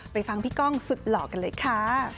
ฟังพี่ก้องสุดหล่อกันเลยค่ะ